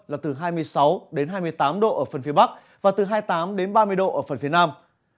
là từ hai mươi sáu hai mươi tám độ ở phần phía bắc và từ hai mươi tám đến ba mươi độ ở phần phía nam